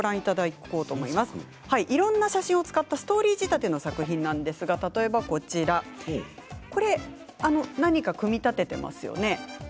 いろんな写真を使ったストーリー仕立ての作品ですが例えばこちら何かを組み立てていますよね。